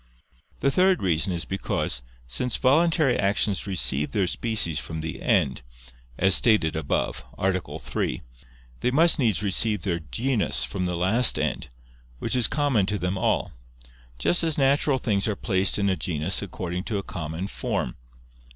The third reason is because, since voluntary actions receive their species from the end, as stated above (A. 3), they must needs receive their genus from the last end, which is common to them all: just as natural things are placed in a genus according to a common form.